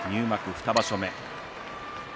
２場所目。